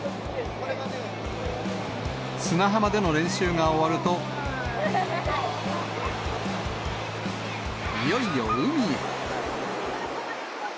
砂浜での練習が終わると、いよいよ海へ。